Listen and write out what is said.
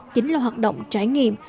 chính là hoạt động trải nghiệm